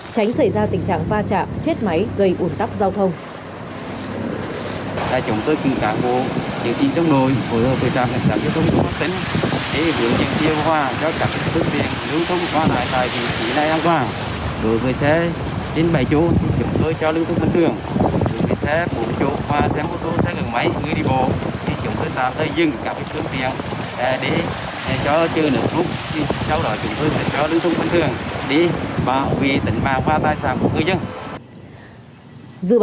tránh xảy ra tình trạng va chạm chết máy gây ủn tắc giao thông